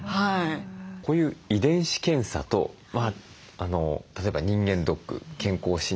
こういう遺伝子検査と例えば人間ドック健康診断。